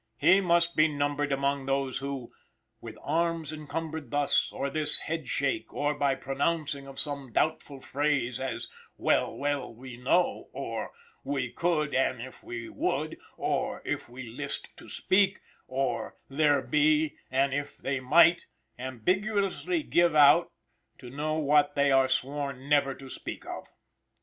He must be numbered among those who, "With arms encumbered thus, or this head shake, Or by pronouncing of some doubtful phrase, As, 'Well, well, we know;' or 'We could, an' if we would;' or 'If we list to speak;' or 'There be, an' if they might;'" "ambiguously give out" to know what they are sworn "never to speak of."